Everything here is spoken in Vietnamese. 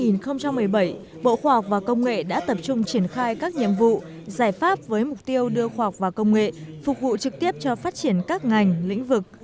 năm hai nghìn một mươi bảy bộ khoa học và công nghệ đã tập trung triển khai các nhiệm vụ giải pháp với mục tiêu đưa khoa học và công nghệ phục vụ trực tiếp cho phát triển các ngành lĩnh vực